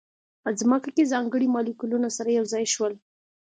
په ځمکه کې ځانګړي مالیکولونه سره یو ځای شول.